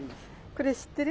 これ知ってる？